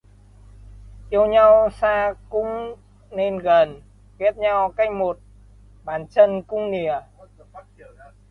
Yêu nhau xa cũng nên gần, ghét nhau cách một bàn chân cũng lìa